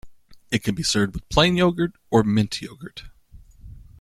It can be served with plain yogurt or mint yogurt.